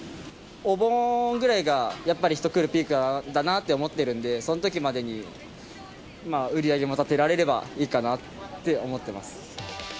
お盆ぐらいがやっぱり人が来るピークだなって思ってるんで、そのときまでに売り上げも立てられればいいかなって思ってます。